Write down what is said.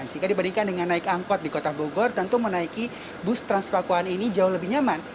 jika dibandingkan dengan naik angkot di kota bogor tentu menaiki bus transpakuan ini jauh lebih nyaman